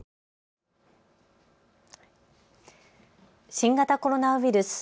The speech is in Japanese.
新型コロナウイルス。